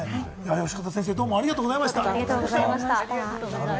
善方先生、いろいろありがとうございました。